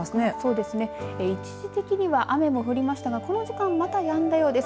一時的には雨も降りましたがこの時間、またやんだようです。